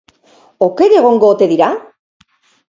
Oker egongo ote dira?